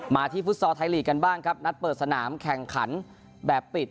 ที่ฟุตซอลไทยลีกกันบ้างครับนัดเปิดสนามแข่งขันแบบปิด